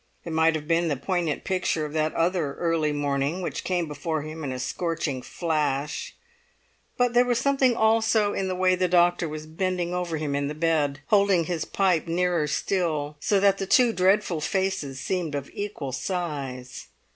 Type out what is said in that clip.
It might have been the poignant picture of that other early morning, which came before him in a scorching flash. But there was something also in the way the doctor was bending over him in bed, holding his pipe nearer still, so that the two dreadful faces seemed of equal size.